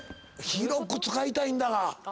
広く使いたいんだ。